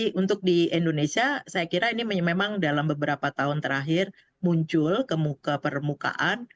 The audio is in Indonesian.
jadi untuk di indonesia saya kira ini memang dalam beberapa tahun terakhir muncul ke permukaan